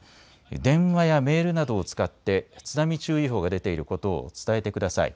電話やメールなどを使って津波注意報が出ていることを伝えてください。